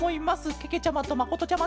けけちゃまとまことちゃまで。